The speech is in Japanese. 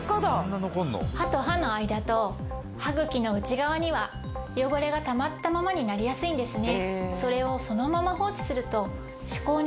歯と歯の間と歯茎の内側には汚れがたまったままになりやすいんですね。